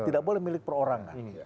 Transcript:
tidak boleh milik perorangan